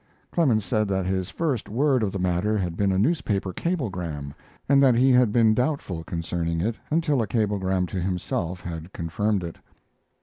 Clemens said that his first word of the matter had been a newspaper cablegram, and that he had been doubtful concerning it until a cablegram to himself had confirmed it.